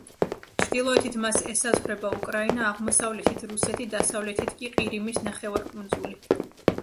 ჩრდილოეთით მას ესაზღვრება უკრაინა, აღმოსავლეთით რუსეთი, დასავლეთით კი ყირიმის ნახევარკუნძული.